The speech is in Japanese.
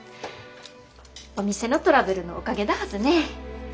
お店のトラブルのおかげだはずね。